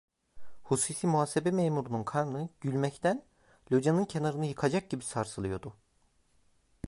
Hususi muhasebe memurunun karnı, gülmekten locanın kenarını yıkacak gibi sarsılıyordu…